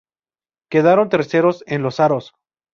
Quedaron terceros en los aros.